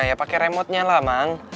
ya pakai remote nya lah bang